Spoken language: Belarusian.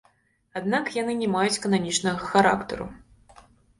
Аднак яны не маюць кананічнага характару.